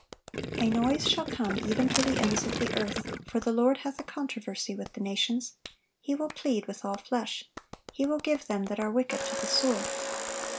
"A noise shall come even to the ends of the earth; for the Lord hath a controversy with the nations, He will plead with all flesh; He will give them that are wicked to the sword."